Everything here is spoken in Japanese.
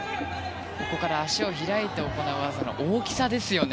ここから足を開いて行う技の大きさですよね。